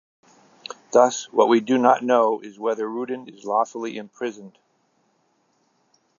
Thus, what we do not know is whether Rudin is lawfully imprisoned.